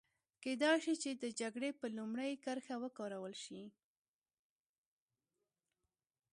کېدای شي چې د جګړې په لومړۍ کرښه وکارول شي.